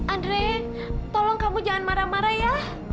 andre tolong kamu jangan marah marah ya